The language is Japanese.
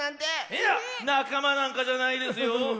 いやなかまなんかじゃないですよ。